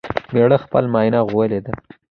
مېړه خپله ماينه غوولې ده